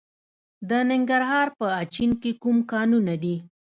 د ننګرهار په اچین کې کوم کانونه دي؟